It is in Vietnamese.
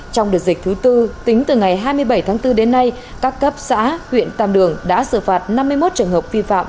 trong đợt dịch thứ tư tính từ ngày hai mươi bảy tháng bốn đến nay các cấp xã huyện tam đường đã xử phạt năm mươi một trường hợp vi phạm